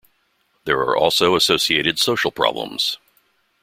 There are also associated social problems.